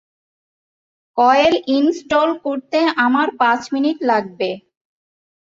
Coil install করতে আমার পাঁচ মিনিট লাগবে।